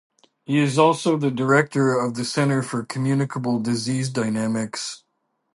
He is also the Director of the Center for Communicable Disease Dynamics.